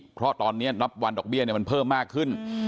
เพราะตอนนี้นับวันดอกเบี้ยมันเพิ่มมากขึ้น